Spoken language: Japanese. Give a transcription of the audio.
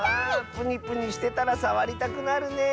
プニプニしてたらさわりたくなるね。